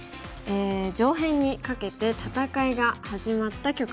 上辺にかけて戦いが始まった局面ですね。